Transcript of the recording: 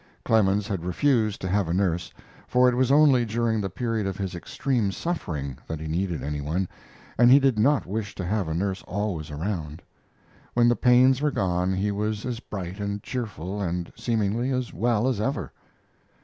Clemens had refused to have a nurse, for it was only during the period of his extreme suffering that he needed any one, and he did not wish to have a nurse always around. When the pains were gone he was as bright and cheerful, and, seemingly, as well as ever.